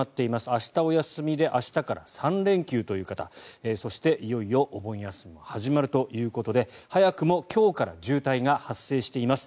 明日お休みで明日から３連休という方そして、いよいよお盆休みも始まるということで早くも今日から渋滞が発生しています。